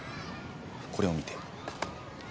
これを見て。